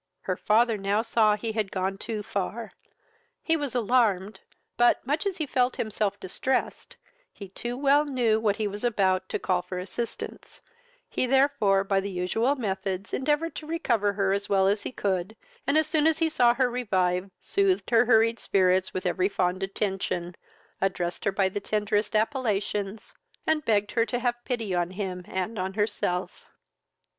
Her father now saw he had gone too far; he was alarmed; but, much as he felt himself distressed, he too well knew what he was about, to call for assistance; he therefore, by the usual methods, endeavoured to recover her as well as he could, and, as soon as he saw her revive, soothed her hurried spirits with every fond attention, addressed her by the tenderest appellations, and begged her to have pity on him and on herself.